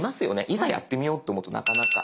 いざやってみようと思うとなかなか。